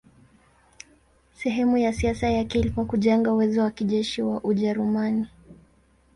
Sehemu ya siasa yake ilikuwa kujenga uwezo wa kijeshi wa Ujerumani.